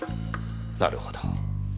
なるほど。